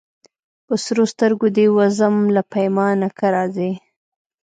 په سرو سترګو دي وزم له پیمانه که راځې